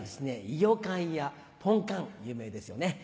イヨカンやポンカン有名ですよね？